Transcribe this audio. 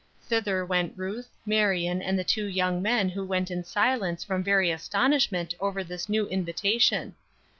Thither went Ruth, Marion, and the two young men who went in silence from very astonishment over this new invitation.